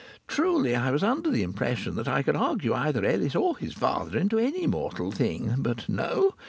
Truly I was under the impression that I could argue either Ellis or his father into any mortal thing. But no!